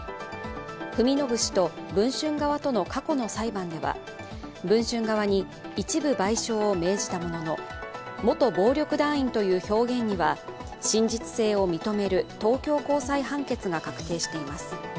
文信氏と、文春側との過去の裁判では、文春側に一部賠償を命じたものの元暴力団員という表現には真実性を認める東京高裁判決が確定しています。